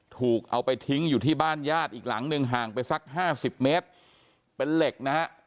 ถูกเอาไปทิ้งอยู่ที่บ้านญาติอีกหลังหนึ่งห่างไปสักห้าสิบเมตรเป็นเหล็กนะฮะ